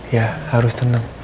ya harus tenang